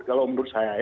kalau menurut saya